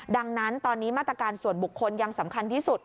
ดังนั้นตอนนี้มาตรการส่วนบุคคลยังสำคัญที่สุด